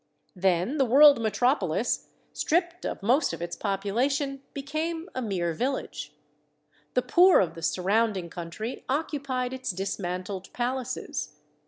Then the world metrop olis, stripped of most of its population, became a mere village. The poor of the surrounding coun try occupied its dismantled palaces.